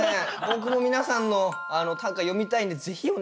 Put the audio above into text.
僕も皆さんの短歌詠みたいんでぜひお願いします。